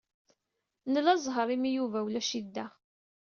Nla zzheṛ imi Yuba ulac-it da.